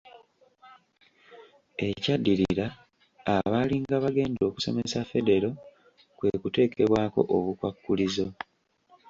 Ekyaddirira abaalinga Bagenda okusomesa Federo kwekuteekebwako obukwakkulizo.